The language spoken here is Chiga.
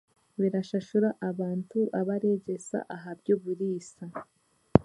Birashashura abantu abareegyesa aha by'oburiisa